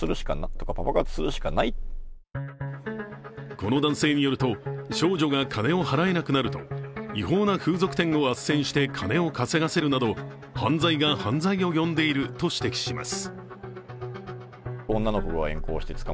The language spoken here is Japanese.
この男性によると少女が金を払えなくなると違法な風俗店をあっせんして金を稼がせるなど犯罪が犯罪を呼んでいると指摘します。